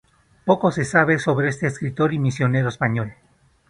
Poco se sabe sobre este escritor y misionero español.